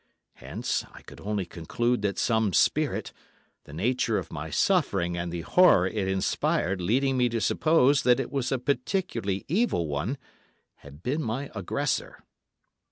Hence, I could only conclude that some spirit—the nature of my suffering and the horror it inspired leading me to suppose that it was a particularly evil one—had been my aggressor.